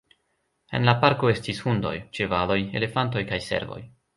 En la parko estis hundoj, ĉevaloj, elefantoj kaj servoj.